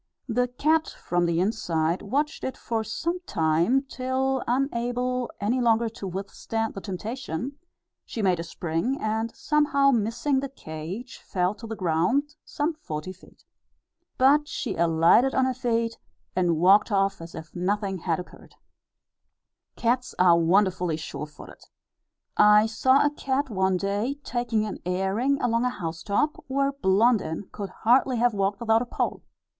The cat, from the inside, watched it for some time till, unable any longer to withstand the temptation, she made a spring, and, somehow missing the cage, fell to the ground, some forty feet. But she alighted on her feet, and walked off as if nothing had occurred. (See Note R, Addenda.) Cats are wonderfully sure footed. I saw a cat one day, taking an airing along a housetop, where Blondin could hardly have walked without a pole.